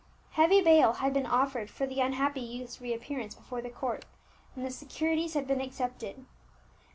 Heavy bail had been offered for the unhappy youth's reappearance before the court, and the securities had been accepted.